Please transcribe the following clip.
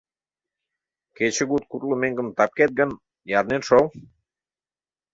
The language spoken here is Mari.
Кечыгут кудло меҥгым тапкет гын, ярнет шол.